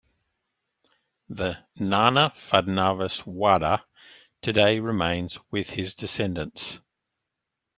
The Nana Phadnavis Wada today remains with his descendants.